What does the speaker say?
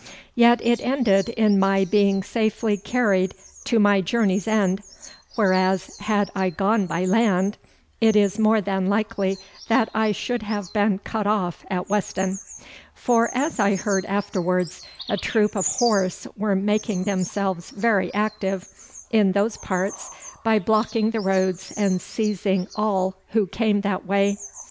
Yet it ended in my being safely carried to my journey's end, whereas, had I gone by land, it is more than likely that I should have been cut off at Weston; for, as I heard afterwards, a troop of horse were making themselves very active in those parts by blocking the roads and seizing all who came that way.